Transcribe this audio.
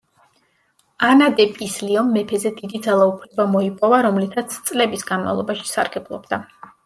ანა დე პისლიომ მეფეზე დიდი ძალაუფლება მოიპოვა, რომლითაც წლების განმავლობაში სარგებლობდა.